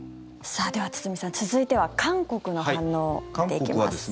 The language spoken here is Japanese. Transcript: では堤さん、続いては韓国の反応を見ていきます。